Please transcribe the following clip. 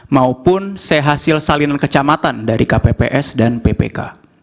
maupun sehasil salinan kecamatan dari kpps dan ppk